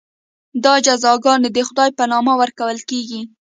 دا جزاګانې د خدای په نامه ورکول کېږي.